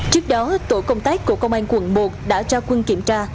trước đó tổ công tác của công an quận một đã ra quân kiểm tra